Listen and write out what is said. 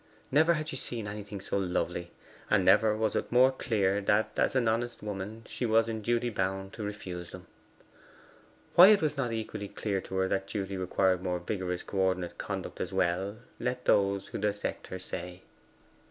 Never had she seen anything so lovely, and never was it more clear that as an honest woman she was in duty bound to refuse them. Why it was not equally clear to her that duty required more vigorous co ordinate conduct as well, let those who dissect her say.